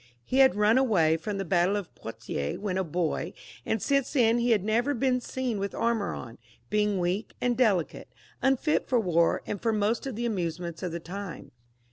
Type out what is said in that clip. He had run away from the battle of Poitiers when a boy, and since then he had never been seen with armour on, being weak and delicate, unfit for war, and for most of the amusements of the time.